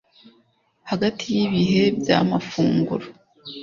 hagati yibihe bya mafunguro